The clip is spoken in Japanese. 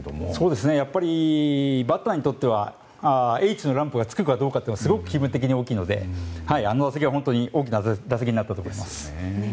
やっぱりバッターにとってはＨのランプがつくかどうかはすごく気分的に大きいのであの打席は、本当に大きな打席になったと思います。